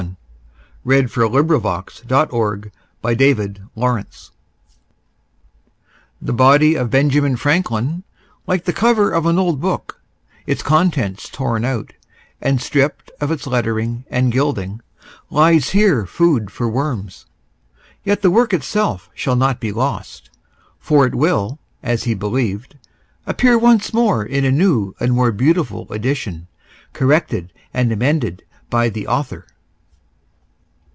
I have the honor to be, etc. EPITAPH FOR HIMSELF THE BODY OF BENJAMIN FRANKLIN (LIKE THE COVER OF AN OLD BOOK, ITS CONTENTS TORN OUT, AND STRIPT OF ITS LETTERING AND GILDING), LIES HERE FOOD FOR WORMS; YET THE WORK ITSELF SHALL NOT BE LOST, FOR IT WILL (AS HE BELIEVED) APPEAR ONCE MORE IN A NEW AND MORE BEAUTIFUL EDITION CORRECTED AND AMENDED BY THE AUTHOR.